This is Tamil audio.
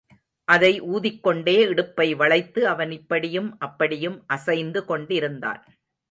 அதை ஊதிக்கொண்டே இடுப்பை வளைத்து அவன் இப்படியும் அப்படியும் அசைந்து கொண்டிருந்தான்.